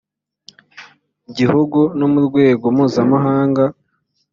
gihugu no mu rwego mpuzamahanga